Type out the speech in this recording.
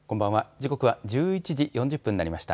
時刻は１１時４０分になりました。